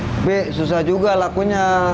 tapi susah juga lakunya